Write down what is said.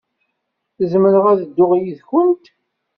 Zemreɣ ad dduɣ yid-went?